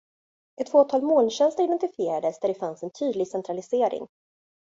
Ett fåtal molntjänster identifierades där det fanns en tydlig centralisering.